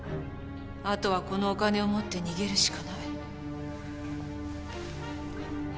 あとはこのお金を持って逃げるしかない。